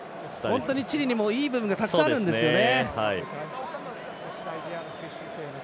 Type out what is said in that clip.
本当にチリにもいい部分がたくさんあるんですよね。